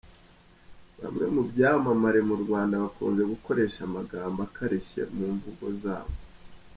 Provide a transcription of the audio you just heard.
Bamwe mu byamamare mu Rwanda bakunze gukoresha amagambo akarishye mu mvugo zabo.